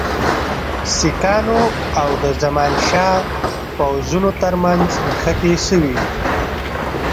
سیکهانو او د زمانشاه پوځونو ترمنځ نښتې سوي.